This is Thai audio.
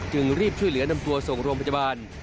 จึงรีบช่วยเหลือนำตัวส่งรมปัจจุบัน